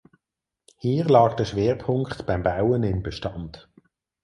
Hier lag der Schwerpunkt beim Bauen im Bestand.